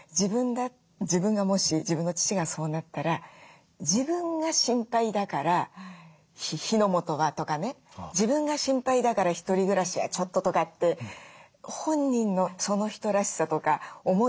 自分がもし自分の父がそうなったら自分が心配だから「火の元は」とかね自分が心配だから「一人暮らしはちょっと」とかって本人のその人らしさとか思い